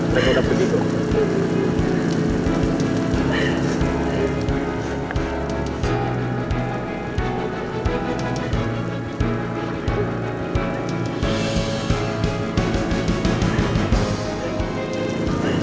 nino udah pergi gua